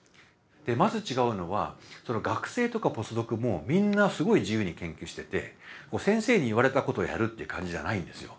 まず違うのは学生とかポスドクもみんなすごい自由に研究してて先生に言われたことをやるっていう感じじゃないんですよ。